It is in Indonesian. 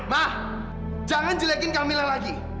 ma jangan jelekin kamila lagi